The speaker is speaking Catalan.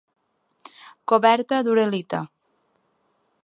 Coberta d'uralita.